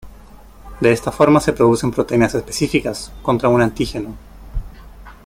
De esta forma se producen proteínas específicas contra un antígeno.